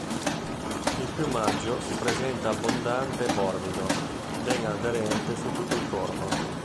Il piumaggio si presenta abbondante e morbido, ben aderente su tutto il corpo.